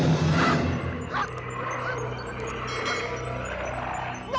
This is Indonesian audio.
jangan makan saya